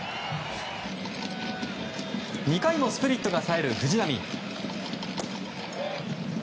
２回もスプリットがさえる藤浪。